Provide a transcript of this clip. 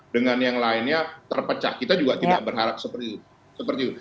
dengan yang lainnya terpecah kita juga tidak berharap seperti itu